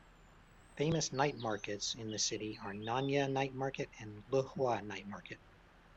Famous night markets in the city are Nanya Night Market and Lehua Night Market.